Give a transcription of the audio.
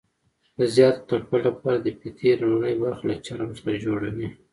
د زیات کلکوالي لپاره د فیتې لومړنۍ برخه له چرم څخه جوړوي.